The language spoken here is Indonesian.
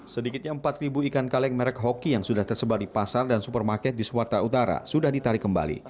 sedikitnya empat ikan kaleng merek hoki yang sudah tersebar di pasar dan supermarket di sumatera utara sudah ditarik kembali